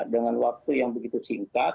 dengan waktu yang begitu singkat